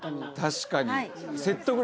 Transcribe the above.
確かに。